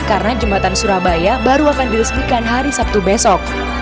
karena jembatan surabaya baru akan diresmikan hari sabtu besok